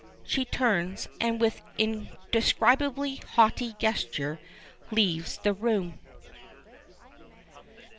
She turns, and with an indescribably haughty gesture leaves the room.